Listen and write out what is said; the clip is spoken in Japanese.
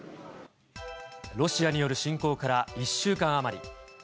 ロシアによる侵攻から１週間余り。